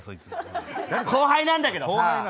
後輩なんだけどさあ、